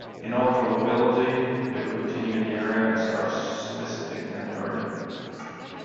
In all probability, they will continue in the area and start soliciting and earning.